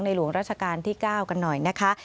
หลวงราชการที่๙กันหน่อยนะคะ